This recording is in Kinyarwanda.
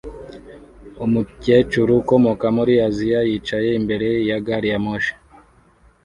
Umukecuru ukomoka muri Aziya yicaye imbere ya gari ya moshi